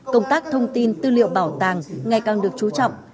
công tác thông tin tư liệu bảo tàng ngày càng được chú trọng